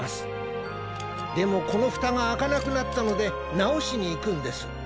でもこのふたがあかなくなったのでなおしにいくんです。